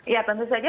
ya tentu saja